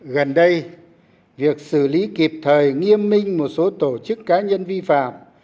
gần đây việc xử lý kịp thời nghiêm minh một số tổ chức cá nhân vi phạm